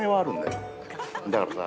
だからさ